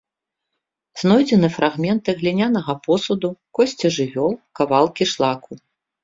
Знойдзены фрагменты глінянага посуду, косці жывёл, кавалкі шлаку.